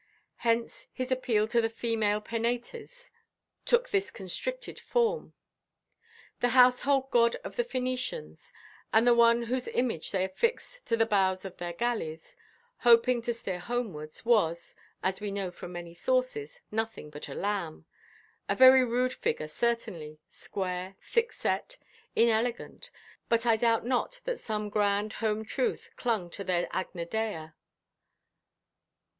Hence, his appeal to the female Penates took this constricted form. The household god of the Phœnicians, and the one whose image they affixed to the bows of their galleys, hoping to steer homewards, was (as we know from many sources) nothing but a lamb; a very rude figure, certainly,—square, thick–set, inelegant; but I doubt not that some grand home–truth clung to their Agna Dea.